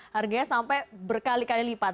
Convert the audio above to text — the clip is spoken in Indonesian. harganya sampai berkali kali lipat